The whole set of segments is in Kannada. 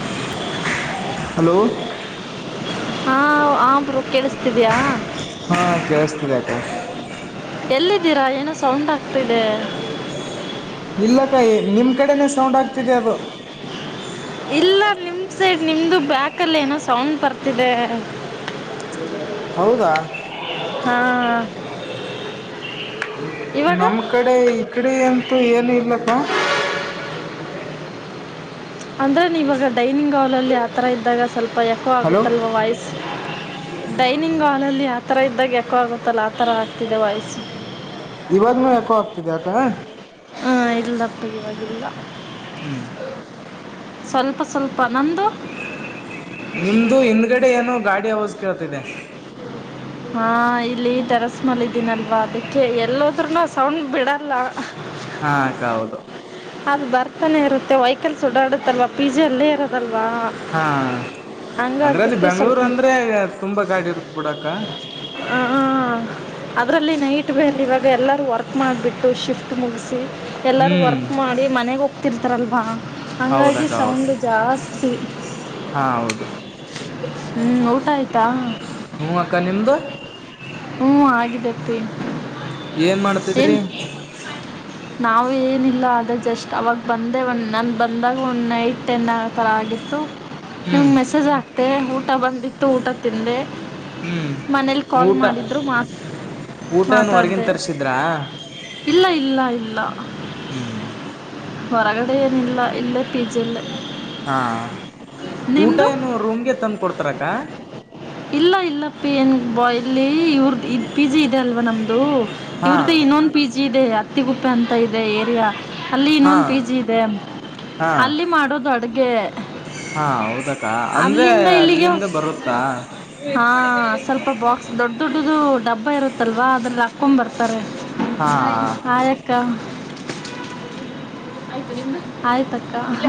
[inaudible] ಹಲೋ ಹಾ ಆರು ಕೇಳಿಸತಿದ್ಯಾ ಹಾ ಕೇಳಸ್ತದೆ ಅಕ ಎಲ್ಲಿದ್ದೀರಾ ಏನೋ ಸೌಂಡ್ ಆಗ್ತಿದೆ ಇಲ್ಲ ಕಾಯಿ ನಿಮ್ ಕಡೆನೆೇ ಸೌಂಡ್ ಆಗ್ತಿದೆ ಅದು ಇಲ್ಲ ನಿಮ್ಮ ಸೈಡ್ ನಿಮ್ಮದು ಬ್ಯಾಕಲ್ಲಿ ಏನೋ ಸೌಂಡ್ ಬರ್ತಿದೆ ಹೌದಾ [inaudible] ಹಾ [inaudible] ಇವಾಗ ನಮ್ಮ ಕಡೆ ಈ ಕಡೆ ಅಂತೂ ಏನು ಇಲ್ಲಕ್ಕ ಹ್ಮ ಅಂದ್ರೆ ನೀವಾಗ ಡೈನಿಂಗ್ ಹಾಲ್ ಅಲ್ಲಿ ಆತರ ಇದ್ದಾಗ ಸ್ವಲ್ಪ ಎಕೋ ಹಲೋ ಆಗುತ್ತಲ್ವ ವಾಯ್ಸ್ ಡೈನಿಂಗ್ ಹಾಲಲ್ಲಿ ಆಥರ ಇದ್ದಾಗ ಎ ಚಕ್ಕಾಗುತ್ತಲ್ಲ ಆ ಥರ ಆಾಗ್ತಿದೆ ವಯಸ ಇವಾಗನುೂ ಯಾಕೋ ಆಗ್ತಿದೆ ಯಕ ಹಾ ಇಲ್ಲ ಪರಿವಾಗಿವಾಗಿಲ್ಲ ಹ್ಮ್ ಸ್ವಲ್ಪ ಸ್ವಲ್ಪ ನಂದು ನಿಮ್ದು ಹಿಂದ್ಗಡೆ ಏನುೋ ಗಾಡಿ ಅವಾಜ ಕೇಳ್ತಿದೆ ಹ ಹಾ ಇಲ್ಲಿ ಟರಸ್ ಮಲ್ ಇದೀನಲ್ವಾ ಅದಕ್ಕೆ ಎಲ್ಲಾದ್ೂನು ಸೌಂಡ್ ಬಿಡಲ್ಲ ಹಾ ಕೌದು ಅದು್ ಬರ್ತಾನೆ ಇರುತ್ತೆ ವೈಕಲ್ಸ್ ಓಡಾಡುತ್ತಲ್ವಾ ಪಿಜೆ ಅಲ್ಲೇ ಇರೋದಲ್ಲ ಹಾ ಅಂದ್ರೆ ಅಲ್ಲಿ ಹಂಗಾಗ್ಬಿಟ್ಟು ಬೆಂಗಗಳೂರ್ ಸ್ವಲ್ಪ ಅಂದ್ರೆ ತುಂಬಾ ಗಾಡಿ ಇರುತ್ ಪುಡಕ್ಕ [inaudible] ಅದರಲ್ಲಿ ನೈಟ್ ಬೇಲೆ ಇವಾಗ ಎಲ್ಲರೂ ವರ್ಕ್ ಮಾಡಿಬಿಟ್ಟು ಶಿಫ್ಟ್ ಮುಗಿಸಿ ಹ್ಮ್ ನೋ ಮನೆಾಗೋಗ್ತಿರ್ತಾರಲ್ವಾ ಹಂಗಾಗಿ ಹೌದಕ್ಕ ಹೌದು ಸೌಂಡ್ ಜಾಸ್ತಿ ಹಾ ಹೌದು [inaudible] ಹ್ಮ್ ಊಟ ಆಯ್ತಾ [inaudible] ಹ್ಞೂ ಅಕ್ಕ ನಿಮ್ಮದು ಹ್ಮ ಆಗಿದ್ದೇತಿ ಏನ್ ಮಾಡ್ತಿದ್ರಿ ನಾವು ಏನಿಲ್ಲ ಆದರೆ ಜಸ್ಟ್ ಅವಾಗ ಬಂದೆ ಒಂದು ನಾನು ಬಂದಾಗ ಒಂದು ನೈಟ್ ಟೆನ್ ಆ ಥರ ಆಗಿತ್ತು ಹ್ಞೂ ನಿಮ್ಗೆ ಮೆಸೇಜ್ ಆಗ್ತೆ ಊಟ ಬಂದಿತ್ತು ಊಟ ತಿಂದೆ ಹ್ಞೂ ಮನೇಲಿ ಕಾಲ್ ಊಟ ಮಾಡಿದ್ರು ಮಾತ್ ಊಟ ಏನು ಹೊರಗಿನ ಮಾತಾಡಿದೆ ತರಿಸಿದ್ರಾ ಇಲ್ಲ ಇಲ್ಲ ಇಲ್ಲ ಹ್ಮ್ ಹೊರಗಡೆ ಏನ ಇಲ್ಲ ಇಲ್ಲ ಪೀಜ ಇಲ್ಲ ಹಾ ಊಟ ಏನು ರೂಮ್ಗೆ ತಂದು ಕೊಡ್ತಾರಕ್ಕ ಇಲ್ಲ ಇಲ್ಲ ಪೇನ್ ಬ ಇಲ್ಲಿ ಇವ್ರದ ಇ ಪಿಜಿ ಇದೆ ಅಲ್ವಾ ನಮ್ದು ಹಾ ಇವ್ರ್ದ ಇನ್ನೊಂದು ಪಿ ಜಿ ಇದೆ ಅತ್ತಿಗುಪ್ಪೆ ಅಂತ ಇದೆ ಏರಿಯಾ ಅಲ್ಲಿ ಹಾ ಇನ್ನೊಂದು ಪಿ ಜಿ ಇದೆ ಹಾ ಅಲ್ಲಿ ಮಾಡೋದು ಅಡ್ಗೆ ಹಾ ಹೌದಕ್ಕ ಅಂದ್ರೆ ಅದಿಂದ ಬರುತ್ತಾ ಹಾ ಸ್ವಲ್ಪ ಬಾಕ್ಸ್ ದೊಡ್ದು ದು ಡಬ್ಬ ಇರುತ್ತಲ್ವಾ ಅದ್ರಲ್ಲಿ ಹಾಕೊಂಡ್ ಬರ್ತಾರೆ ಹಾ ಹೈ ಹೈಯಕ್ಕ [inaudible] ಆಯ್ತಕ್ಕ ಹ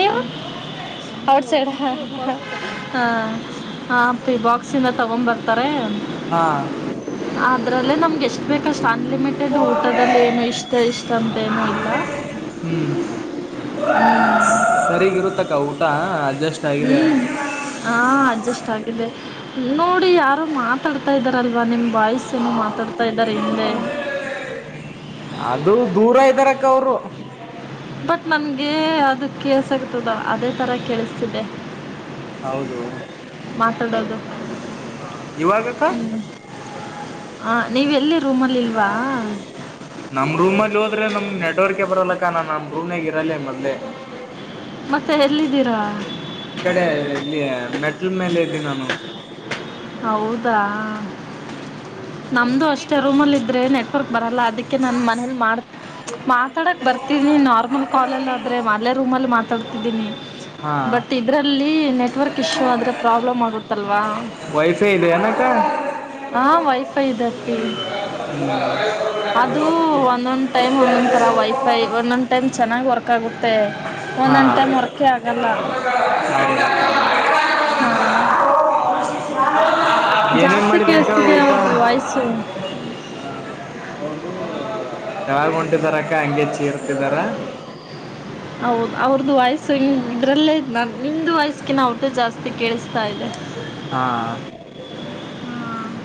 ನೀವು ಔಟ್ ಸೈಡ್ ಹಾ ಹಾ ಪಿ ಬಾಕ್ಸಂದ ತಗೊಂಡ್ ಬರ್ತಾರೆ ಹಾ ಅದ್ರಲ್ಲೇ ನಮ್ಗೆ ಎಷ್ಟ್ ಬೇಕಷ್ಟ ಅನ್ಲಿಮಿಟೆಡ್ ಊಟದಲ್ಲಿ ಏನು ಇಷ್ಟ ಇಷ್ಟ ಅಂತೇನೂ ಇಲ್ಲ ಹ್ಮ್ ಹ್ಮ್ ತ ಊಟ ಅಲ್ಲಿ ಹ್ಮ್ ಹ ಅಡ್ಜಸ್ ಆಗಿದೆ ನೋಡಿ ಯಾರೋ ಮಾತಾಡ್ತಾ ಇದಿದಾರಲ್ವಾ ನಿಮ್ಮ ಬಾಯ್ಸನು ಮಾತಾಡ್ತಾ ಇದಾರೆ ಹಿಂದೆ ಹ್ಮ ಅದು ದೂರ ಇದ್ದಾರಕ್ಕ ಅವರು ಬಟ್ ನನ್ಗೆ ಅದ ಕೇಳ್ಸ ಆಗತದ ಅದೇ ತರ ಕೇಳಿಸ್ತಿದ್ದೆ ಹೌದು ಹಾ ಇವಾಗಕ್ಕ ಹ ನೀವ ಎಲ್ಲಿ [inaudible] ನಮ ರೂಮ್ಲ್ಲಿ ಹೋದ್ರೆ ನಮ್ ನೆಟ್ವರ್ಕ್ ಬರಲ್ಲ ಕಣ ನಮ ರೂಮನಾಗಯಿರಲ್ಲೆ ಮಡ್ಲೆ ಮತ್ತೆ ಎಲ್ಲಿದ್ದೀರಾ ಇಕಡೆ ಇಲ್ಲಿ ಮೆಟಲ್ ಮೇಲೆ ಇದ್ದ ನಾನು ಹೌದಾ [inaudible] ನಮ್ದು ಅಷ್ಟೇ ರೂಮಲ್ಲಿ ಇದ್ರೆ ನೆಟ್ವರ್ಕ್ ಬರಲ್ಲ ಅದಕ್ಕೆ ನಾನ ಮನೇಲಿ ಮಾಡ್ತ ಮಾತಾಡಕ್ ಬರ್ತೀನಿ ನಾರ್ಮಲ್ ಕಾಲಲ್ಲಾದ್ರರೆ ಮಲೆೇ ರೂಮಲ್ಲಿ ಮಾತಾಡ್ತಿದ್ದೀನಿ ಹಾ ಬಟ್ ಇದ್ರಲ್ಲಿ ನೆಟ್ವರ್ಕ್ ಇಶ್ಯೂ ಆದ್ರೆ ಪ್ರಾಬ್ಲಮ್ ಆಗುತ್ತಲ್ವಾ ಪೇವ್ಯಿದೆನಕ್ಕ ಹಾ ವೈಫೈ ಇದೆ ಅಪ್ಪಿ ಹ್ಮ [unintelligible] ಅದು ಒಂದೊಂದ್ ಟೈಮ್ ಒಂದೊಂದ್ ತರ ವೈಫೈ ಒಂದೊಂದ್ ಟೈಮ್ ಚೆನ್ನಾಗ್ ವರ್ಕ್ ಮತ್ತೆ ಹಾ ಒಂದ್ಂಟೆ ಮರಕೆ ಆಗಲ್ಲ ಹೌದಾ ಹಾ ಏನೇನ್ ಜಾಸ್ತಿ ಮಾಡಿದ್ರಕ್ಕ ಕೇಳಸ್ತಿದೆ ಊಟ ಅವ್ರ್ದು ವಯಸ್ಸು ತಲಗ ಹೊಂಟಿದಾರ ಅಕ್ಕ ಹಂಗೆ ಚಿರರ್ತಿದಾರ [unintelligible] ಹೌದು ಅವ್ರ್ದ ವಯ್ಸು ಇದ್ರಲ್ಲೇ ಇದ್ ನ ನಿಮ್ದ ವಯಸ್ಸಕಿಿನ ಟು ಜಾಸ್ತಿ ಕೇಳಿಸ್ತಾ ಇದೆ ಹಾ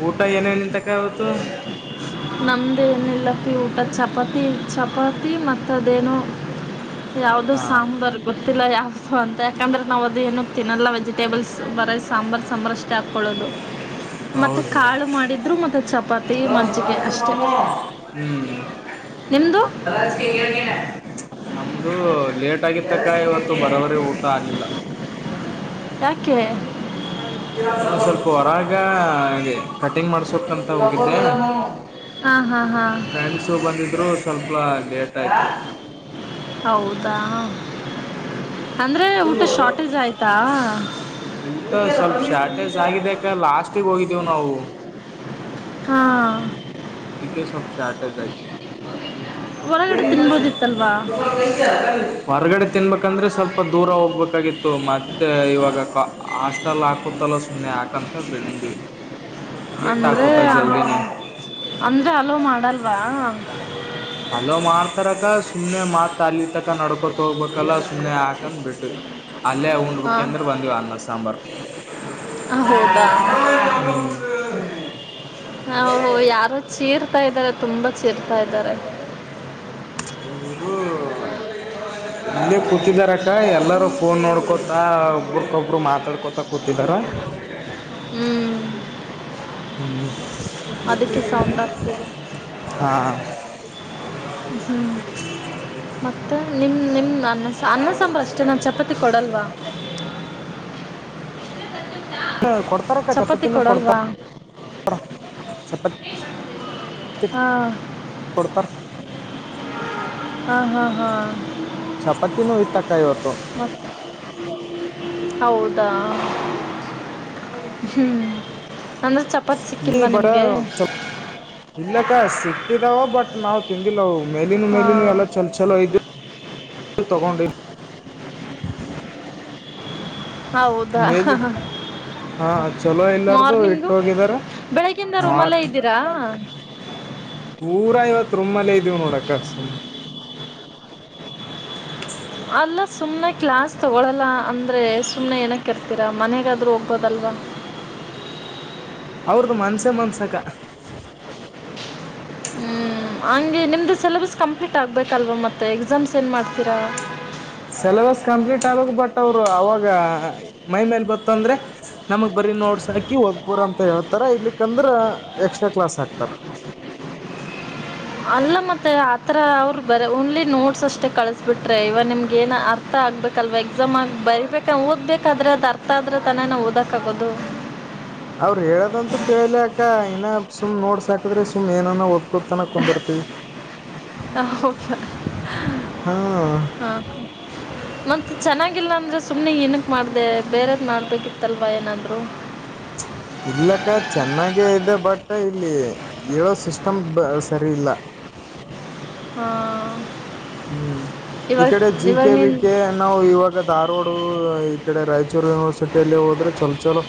ಊಟ ಏನೇನಂತಕ್ಕ ಆವತ್ತು ನಮ್ದೇ ಏನಿಲ್ಲಪ್ಪಿ ಊಟ ಚಪಾತಿ ಚಪಾತಿ ಮತ್ತದೇನೋ ಯಾವುದೋ ಹಾ ಸಾಂಬಾರ್ ಬ ತ್ತಿಲ್ಲ ಯಾವವುದುೋ ಅಂತ ಯಾಕಂದ್ರೆ ನಾವು ಅದು ಏನ ತಿನ್ನಲ್ಲ ವೆಜಿಟೇಬಲ್ಸ್ ಬರೋ ಸಾಂಬಾರು ಸಾಂಬಾರು ಅಷ್ಟೇ ಹಾಕ್ಕೊಳ್ಳೋದು ಮತ್ತೆ ಹೌದು ಕಾಳು ಮಾಡಿದ್ರು ಮತ್ತೆ ಚಪಾತಿ ಮಜ್ಜಿಗೆ [unintelligible] ಅಷ್ಟೇ ನಿಮ್ಮದು ನಮ್ದು ಲೇಟ್ ಆಗಿತಕ್ಕ ಇವತ್ತು ಬರಬರಿ ಊಟ ಆಗ್ಲಿಲ್ಲ ಕ್ಕೆ ನ ಸ್ವಲ್ಪ ಹೊರಗ ಕಟಿಂಗ್ ಮಾಡ್ಸಕ್ಂತ ಹೋಗಿದ್ದೆ ಹಾ ಫ್ರೆಂಡ್ಶಿಪ್ ಬಂದಿದ್ರು ಸ್ವಲ್ಪ ಲೇಟ್ ಆಯ್ತು ಹೌದಾ ಹ್ಮ್ ಅಂದರೆ ಊಟ ಶಾರ್ಟೇಜ್ ಆಯಿತಾ ಊಟ ಸ್ವಲ್ಪ ಶಾರ್ಟೇಜ್ ಆಗಿದೆಕ ಲಾಸ್ಟ್ ಹೋಗಿದ್ದೇವು ನಾವು ಹಾ ಅಕೆ ಸಮಕ್ಷ ಆಟ ಜಾಯ ಹೊರಗಡೆ ತಿನ್ಬೋದಿತ್ತಲ್ವಾ ವರ್ಗಡೆ ತನ್ ಬಕ್ಕ ಯಾಕಂದ್ರೆ ಸ್ವಲ್ಪ ದೂರ ಹೋಗ್ಬೇಕಾಗಿತ್ತು ಮತ್ತೆ ಇವಾಗ ಹಾಸ್ಟೆಲ್ ಹಾಕುತ್ತಲ್ಲ ಸುಮ್ಮನೆ ಹಾಕಂದ ಅಂತ ಬೆಂದು ಏಟ್ ಅಂದರೆ ಹಾಕೋತಾ ಜಲ್ದಿನ ಅಂದರೆ ಅಲೋ ಮಾಡಲ್ವಾ ಅಲೋ ಮಾಡ್ತಾರಕ್ಕ ಸುಮ್ನೆ ಮಾತ್ ಅಲತ ಅ ನಡ್ಕೊತ ಹೋಗ್ಬೇಕಲ್ಲ ಸುಮ್ನೆ ಹಾಕಂದ್ ಬಿಟ್ಟು ಅಲ್ಲೇ ಉಂಡ್ ಬುಕ್ಕಿ ಅಂದ್ರೆ ಬಂದವ ಅನ್ನ ಸಾಂಬಾರ್ ಹ ಹೌದಾ ಹ ಹ ಯಾರಚ್ಚಿ ಇತಾ ಇದ್ದಾರೆ ತುಂಬಾ ಸೇರ್ತಾ ಇದ್ದಾರೆ ಇವರು [unintelligible] [unintelligible] ಇಲ್ಲೇ ಕೂತಿದಾರ ಅಕ್ಕ ಎಲ್ಲರೂ ಫೋನ್ ನೋಡ್ಕೊತ ಒಬ್ರಕೊಬ್ರು ಮಾತಾಡ್ಕೊತ ಕೂತಿದಾರ ಹ್ಮ್ ಹ್ಮ್ ಅದಕ್ಕೆ ಸೌಂಡ್ ಆಗ್ತದೆ ಹಾ ಹ್ಮ್ ಮತ್ತೆ ನಿಮ್ ನಿಮ್ ಅನ್ನ ಅನ್ನ ಸಾಂಬ ಅಷ್ಟೇ ನಾನು ಚಪಾತಿ ಕೊಡಲ್ವಾ ಕೊಡ್ತಾರಕ್ಕ ಚಪಾತಿ ಚಪಾತಿನ ಕೊಡ್ತ ಕೊಡಲ್ವಾ ಚಪಾತಿ ಹಾ ಹಡತ ಹಾ ಹಾ ಹಾ ಚಪಾತಿನ್ನು ವಿತ್ತ ಕೋತ ಮತ್ ಹೌದಾ ಹ್ಮ ಅಂದ್ರೆ ಚ ಬ ಚ ಇಲ್ಲಕ್ಕ ಸಿಕ್ಕಿದಾವ ಬಟ್ ನಾವ್ ತಿಂದಿಲ್ಲವು ಮೇಲಿನ ಹಾ ಮೇಲಿನ ಎಲ್ಲ ಚಲ ಚಲೋ ಇದ್ದ ತಗೊಂಡ ಹೌದಾ ಮೇಲಿ ಹಾ ಚಲೋ ಇಲ್ಲಾರ್ದು ಇಟ್ಟು ಮಾರ್ನಿಂಗು ಹೋಗಿದಾರ ಬೆಳ್ಳಿಗೆ ಇಂದ ರೂಮಲ್ಲೆ ಮಾಡ್ ಇದ್ದೀರಾ ಪೂರಾ ಇವತ್ತು ರುಮ್ನಲ್ಲೆ ಇದೀವ್ ನೋಡಕ್ಕ ಸುಮ್ ಅಲ್ಲ ಸುಮ್ನೆ ಕ್ಲಾಸ್ ತಗೊಳಲ್ಲ ಅಂದ್ರೆ ಸುಮ್ನೆ ಏನಕ್ ಇರ್ತೀರಾ ಮನೆಗಾದ್ರೂ ಹೋಗ್ಬೋದಲ್ಲ ಲ ಅವ್ರ್ದು ಮನ್ಸೆ ಮನ್ಸಕ ಹ್ಮ್ ಆನ್ ಗೆ ನಿಮ್ದು ಸಿಲೆಬಸ್ ಕಂಪ್ಲೀಟ್ ಆಗ್ಬೇಕಲ್ವಾ ಮತ್ತೆ ಎಕ್ಸಾಮ್ಸ್ ಏನ್ ಮಾಡ್ತೀರಾ ಸಿಲೆಬಸ್ ಕಂಪ್ಲೀಟ್ ಆಗಬೇಕ್ ಬಟ್ ಅವರು ಅವಾಗ ಮೈ ಮೇಲ್ ಬತ್ತು ಅಂದ್ರೆ ನಮಗ್ ಬರಿ ನೋಡ್ಸ್ ಹಾಕಿ ಒದ್ಕೋರಿ ಅಂತ ಹೇಳ್ತಾರ ಇಲಿಕ್ಕಂದ್ರ ಎಕ್ಸ್ಟ್ರಾ ಕ್ಲಾಸ್ ಹಾಕ್ತಾರ ಅನಿಂಟೆಲಿಜಬಲ್ ಅಲ್ಲ ಮತ್ತೆ ಆತರ ಅವರು ಬರಿ ಓನ್ಲಿ ನೋಟ್ಸ್ ಅಷ್ಟೇ ಕಳಿಸಬಿಟ್ರೆ ಇವ ನಿಮ್ಗೆ ಏನ ಅರ್ಥ ಆಗ್ ಹ್ಬೇಕಲ್ವಾ ಎಕ್ಸಾಮ್ ಆಗಿ ಬರಿಬೇಕ ಓದ್ಬೇಕಾದ್ರೆ ಅದ ಅರ್ಥ ಆದ್ರೆ ತನೆ ನಾವ್ ಓದಕ್ ಆಗೋದು ಅವ್ರ ಹೇಳದಂತ ತಿಳಲಿ ಅಕ್ಕ ಇನ ಸುಮ್ ನೋಡ್ಸಾಕದ್ರೆ ಸುಮ್ ಏನೆನೋ ಓದ್ತ ತನ ಕುಂದಿರ್ತೀವಿ ಹ ಹೋಕೆ ಹಾ ಮತ್ ಚೆನ್ನಾಗಿ ಗಿಲ್ಲ ಅಂದ್ರೆ ಸುಮ್ನೆ ಏನಕ್ ಮಾಡ್ದೆ ಬೇರೆದ್ ಮಾಡ್ಬೇಕಿತ್ತಲ್ವಾ ಏನಾದ್ರು ಇಲ್ಲಕ್ಕ ಚೆನ್ನಾಗೇ ಇದೆ ಬಟ್ ಇಲ್ಲಿ ಹೇಳೋ ಸಿಸ್ಟಮ್ ಬ ಸರಿ ಇಲ್ಲ ಹಾ ಹ್ಮ್ ಈ ಇವಾಗ ಕಡೆ ಜಿ ಇವಾಗ ಕೆ ವಿ ನೀನ್ ಕೆ ನಾವು ಇವಾಗ ಧಾರವಾಡು ಕಡೆ ರಾಯಚೂರು ಯೂನಿವರ್ಸಿಟಿಯಲ್ಲಿ ಹೋದ್ರೆ ಚಲ್ ಚಲೋ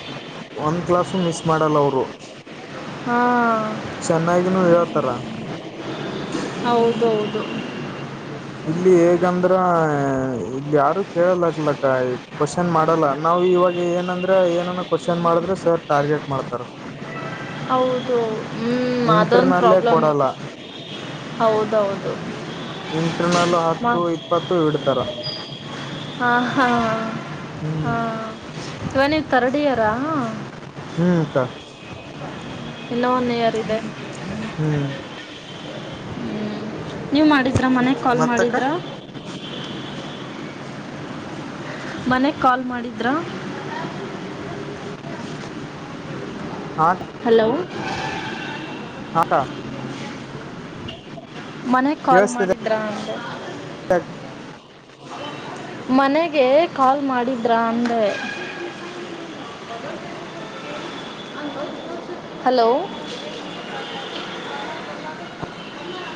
ಒಂದು ಕ್ಲಾಸು ಮಿಸ್ ಮಾಡಲ್ಲ ಅವರು ಹಾ ಚೆನ್ನಾಗಿನೂ ಹೇಳ್ತಾರ ಹೌದೌದು ದು [unintelligible] ಇಲ್ಲಿ ಹೇಗಂದ್ರ ಇಲ್ಲಿ ಯಾರು ಕೇಳಲಗ್ಲಕ್ಕ ಕ್ವಶನ್ ಮಾಡಲ್ಲ ನಾವ್ ಇವಾಗ ಏನಂದ್ರೆ ಏನನ ಕ್ವಶನ್ ಮಾಡಿದ್ರೆ ಸರ್ ಟಾರ್ಗೆಟ್ ಮಾಡ್ತಾರ ಹೌದು ಹ್ಮ್ ಅದೊಂದು ಇಂಟರ್ನಲ್ಲೇ ಪ್ರಾಬ್ಲಮ್ ಕೊಡಲ್ಲ ಹೌದೌದು ಇಂಟರ್ನಲ್ ಹತ್ತು ಮ ಇಪ್ಪತ್ತು ಇಡ್ತಾರ ಹಾ ಹಾ ಹಾ ಹ್ಮ್ ಇವ ನೀವ್ ತರ್ಡ್ ಇಯರ ಹ್ಮ್ ಅಕ್ಕ ಇನ್ನ ಒನ್ ಇಯಾರಿದೆ ಹ್ಮ್ ಹ್ಮ್ ನೀವ್ ಮಾಡಿದ್ರ ಮನೆಗ್ ಕಾಲ್ ಮತ್ತಕ್ಕ ಮಾಡಿದ್ರ ಮನೆಗೆ ಕಾಲ್ ಮಾಡಿದ್ರಾ ಹಾ ಹಲೋ ಅಕ್ಕ ಮನೆಗ್ ಕಾಲ್ ಮಾಡಿದ್ರ ಅಂದೆ ಕ್ [unintelligible] ಮನೆಗೆ ಕಾಲ್ ಮಾಡಿದ್ರಾ ಅಂದೆ ಅನಿಂಟೆಲಿಜಬಲ್ [unintelligible] ಹಲೋ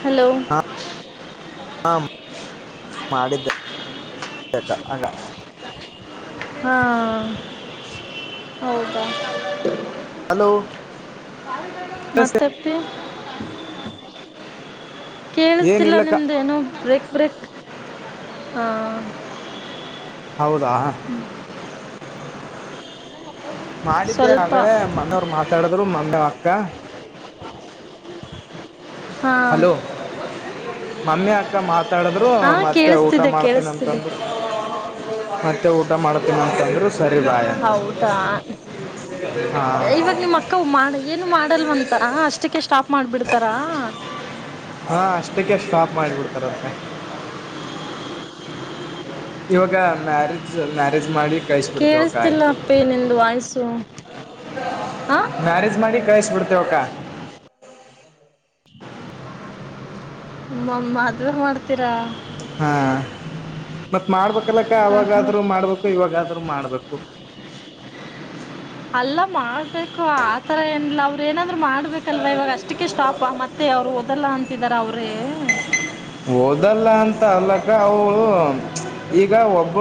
ಹಲೋ ಹಾ ಮಾಡಿದ್ದೆ ಅಕ ಆಗ ಹಾ ಹೌದಾ ಹಲೋ ಮತ್ತೆ ಪಿ ಕೇಳಿಸ್ತಿಲ್ಲ ಏನಿಲ್ಲಕ್ಕ ನಿಮ್ದೇನು ಬ್ರೇಕ್ ಬ್ರೇಕ್ ಹಾ ಹೌದಾ ಮಾಡಿದ್ದೆ ಸ್ವಲ್ಪ ಆದ್ರೆ ಮನೆಯವ್ರು ಮಾತಾಡಿದ್ರು ಮಮಿ ಅಕ್ಕ ಅನಿಂಟೆಲಿಜಬಲ್ [unintelligible] ಹಾಂ ಹಲೋ ಮಮ್ಮಿ ಅಕ್ಕ ಮತ್ ಮಾತಾಡಿದ್ರು ಹಾಂ ಮತ್ತೆ ಊಟ ಕೇಳಿಸ್ತಿದೆ ಮಾಡ್ತೇನ ಕೇಳಿಸ್ತಿದೆ ಅಂತಂದ್ರರು ಮತ್ತೆ ಊಟ ಮಾಡತೀನ ಅಂತಂದ್ರ ಹೌದಾ ಹಾ ಇವಾಗ ನಿಮ್ಮ್ ಅಕ್ಕವು ಮಾಡ ಏನು ಮಾಡ ಮಾಡಲ್ವಂತ ಅಷ್ಟಕ್ಕೆ ಸ್ಟಾಪ್ ಮಾಡ್ಬಿಡ್ತಾರಾ ಹಾ ಅಷ್ಟಕ್ಕೆ ಸ್ಟಾಪ್ ಮಾಡಿಬಿಡ್ತಾರ ಅದಕ್ಕೆ ಇವಾಗ ಮ್ಯಾರೇಜ್ ಮ್ಯಾರೇಜ್ ಮಾಡಿ ಕಳಿಸ್ಬಿಡ್ತೇವಕ್ಕ ಕೇಳಿಸ್ತಿಲ್ಲ ಆಯ್ತು ಅಪ್ಪೇ ನಿಂದು ವಾಯ್ಸು ಹಾ ಮ್ಯಾರೇಜ್ ಮಾಡಿ ಕಳ್ಸ್ ಬಿಿಡ್ತವಕ್ಕಾ [inaudible] ಮ್ಮ ಅದು ಮಾಡ್ತೀರಾ ಹಾ ಮತ್ ಮಾಡ್ಬೇಕಲ್ಲಕ್ಕ ಹಾಂ ಹಾಂ ಅವಾಗಾದ್ರೂ ಮಾಡ್ಬೇಕು ಇವಾಗಾದ್ರೂ ಮಾಡ್ಬೇಕು ಅಲ್ಲ ಮಾಡ್ಬೇಕು ಆತರ ಏನಿಲ್ಲ ಅವ್ರ ಏನಾದ್ರು ಮಾಡ್ಬೇಕಲ್ವಾ ಇವಾಗ ಅಷ್ಟಕ್ಕೆ ಸ್ಟಾಪ್ ಮತ್ತೆ ಮತ್ತೆ ಅವ್ರು ಓದಲ್ಲ ಅಂತಿದಾರ ಅವ್ರೇ ಹಓದಲ್ಲ ಅಂತ ಅಲಕ್ಕ ಅವಳು ಈಗ ಒಬ್ಬ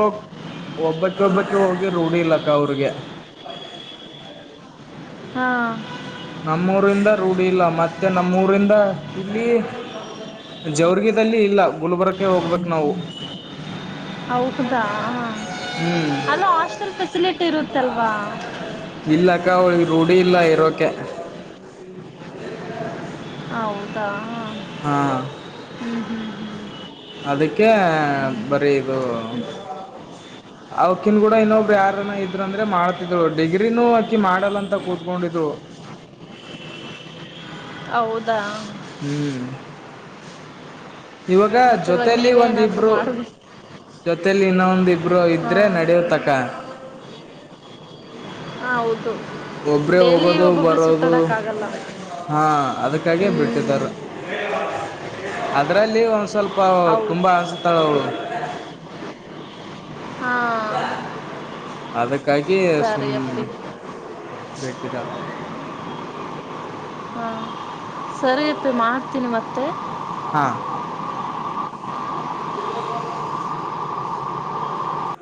ಒಬ್ಬಕ್ಕ ಒಬ್ಬಕ್ ಹೋಗಿ ರೂಢಿ ಇಲಕ್ಕ ಅವ್ರಿಗೆ [inaudible] ಹಾ ನಮ್ಮೂರಿಂದ ರೂಢಿ ಇಲ್ಲ ಮತ್ತೆ ನಮ್ಮೂರಿಂದ ಇಲ್ಲಿ [inaudible] ಜವರ್ಗಲ್ಲಿ ಇಲ್ಲ ಗುಲ್ಬರ್ಕ್ಕೆ ಹೋಗ್ಬೇಕು ನಾವು [inaudible] ಹೌದಾ ಹ್ಮ್ [inaudible] ಅಲ್ಲ ಹಾಸ್ಟೆಲ್ ಫೆಸಿಲಿಟಿ ಇರುತ್ತಲ್ವಾ ಇಲ್ಲಕ್ಕ ಅವಳಿ ರೂಢಿ ಇಲ್ಲ ಇರೋಕೆ ಹ್ಮ [unintelligible] ಹೌದಾ ಹಾ ಹ್ಮ್ ಹ್ಮ್ ಹ್ಮ್ ಅದಕ್ಕೆ ಬರೀ ಇದು ಅವಕಿನ್ ಕೂಡ ಇನ್ನೊಬ್ರು ಯಾರನ ಇದ್ರರು ಅಂದ್ರೆ ಮಾಡತ ಇದ್ರು ಡಿಗ್ರಿನೂ ಅಕಿ ಮಾಡಲ್ಲ ಅಂತ ಕೂತ್ಕೊಂಡಿದ್ರು [inaudible] ಹೌದಾ ಹ್ಮ್ ಇವಾಗ ಮತ್ತೆ ಇವಾಗ ಜೊತಲಿ ನೀವೇ ಏನಾದರೂ ಒಂದಿಬ್ರು ಮಾಡಬೇಕು ಜೊತೇಲಿ ಇನ್ನೊಂದ ಇಬ್ರು ಇದ್ರೆ ಹಾಂ ನಡ್ಯತಕ್ಕ ಹೌದು ಒಬ್ಬರೇ ಡೈಲಿ ಹೋಗೋದು ಒಬ್ಬೊಬ್ರು ಬರೋದು ಸುತ್ತಾಡೋಕ್ಕಾಗಲ್ಲ ಹಾ ಅದಕ್ಕಾಗ ಹ್ಞೂ ಬಿಟ್ಟಿದಾರ ಅದ್ರಲ್ಲಿ ಒಂದ್ ಸ್ವಲ್ಪ ಅಪ್ಪ ಹೌದು ತುಂಬಾ ಅನಸುತ್ತಾಳೆ ಅವಳು ಹಾಂ ಅದಕ್ಕೆ [inaudible] ಅಧಿಕಾರಿ ಸರಿ ಸುಮ್ನೆ ಅಪ್ಪಿ ಭಟ್ಟರ ಹಾ ಸರಿಯಪ್ಪೆ ಮಾಡ್ತೀನಿ ಮತ್ತೆ ಹಾ [inaudible]